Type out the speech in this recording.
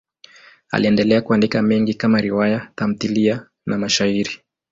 Aliendelea kuandika mengi kama riwaya, tamthiliya na mashairi.